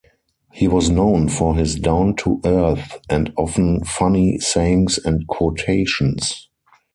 He was known for his down-to-earth and often funny sayings and quotations.